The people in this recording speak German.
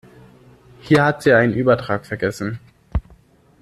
Hier hat sie einen Übertrag vergessen.